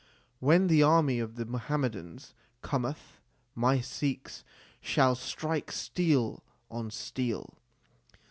When the army of the Muhammadans cometh, my Sikhs shall strike steel on steel.